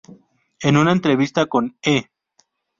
En una entrevista con "E!